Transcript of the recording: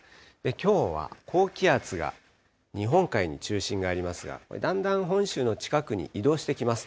きょうは高気圧が、日本海に中心がありますが、だんだん本州の近くに移動してきます。